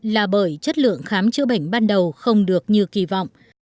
là bởi chất lượng khám chữa bệnh ban đầu không được như kỳ vọng